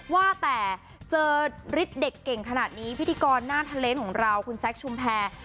ว่าแต่เจอฤทธิ์เด็กเก่งขนาดนี้พิธีกรหน้าทะเลนส์ของเราคุณแซคชุมแพร